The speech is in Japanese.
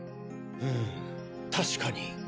うん確かに。